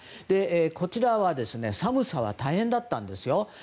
こちらは寒さが大変だったんですよ。